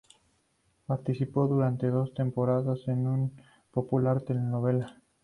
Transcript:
Participó durante dos temporadas en una popular telenovela.